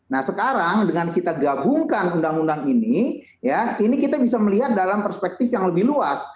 nah sekarang dengan kita gabungkan undang undang ini ya ini kita bisa melihat dalam perspektif yang lebih luas